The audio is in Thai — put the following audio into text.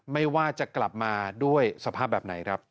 ไม่ว่าจะกลับมาด้วยสภาพแบบไหนครับ